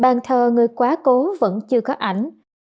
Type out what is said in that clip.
bàn thờ người quá cố vẫn chưa có ảnh